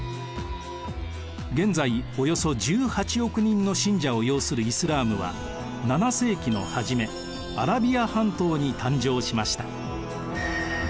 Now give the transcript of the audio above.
現在およそ１８億人の信者を擁するイスラームは７世紀の初めアラビア半島に誕生しました。